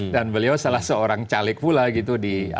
dan beliau salah seorang caleg pula gitu